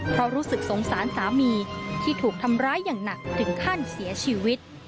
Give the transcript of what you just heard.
เพราะรู้สึกสงสารสามีที่ถูกทำร้ายอย่างหนักถึงขั้นเสียชีวิต